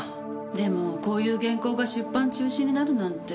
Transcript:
でもこういう原稿が出版中止になるなんて。